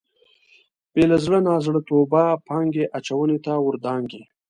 بې له زړه نازړه توبه پانګې اچونې ته ور دانګي.